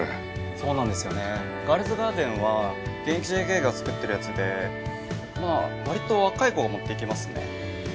そうなんですよね『ガールズガーデン』は現役ＪＫが作ってるやつでまあわりと若い子が持っていきますね。